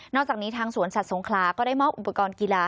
อกจากนี้ทางสวนสัตว์สงขลาก็ได้มอบอุปกรณ์กีฬา